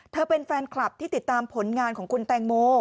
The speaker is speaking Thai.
เป็นแฟนคลับที่ติดตามผลงานของคุณแตงโม